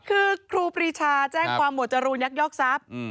คือครูปรีชาแจ้งความหมวดจรูนยักยอกทรัพย์